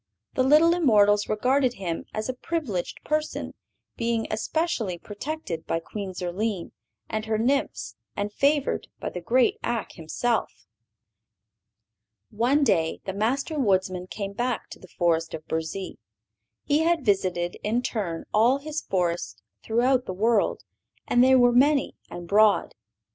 The little immortals regarded him as a privileged person, being especially protected by Queen Zurline and her nymphs and favored by the great Ak himself. One day the Master Woodsman came back to the forest of Burzee. He had visited, in turn, all his forests throughout the world, and they were many and broad.